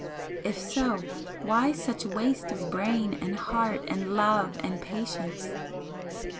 If so, why such waste of brain and heart and love and patience?